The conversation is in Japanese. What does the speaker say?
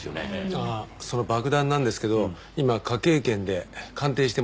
ああその爆弾なんですけど今科警研で鑑定してもらってるそうです。